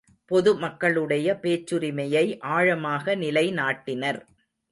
பொது மக்களுடைய பேச்சுரிமையை ஆழமாக நிலைநாட்டினர்.